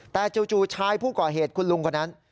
แต่จู่ชายผู้ก่อเหตุคุณลุงคนนั้น